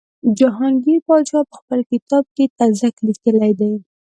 جهانګیر پادشاه په خپل کتاب تزک کې لیکلي دي.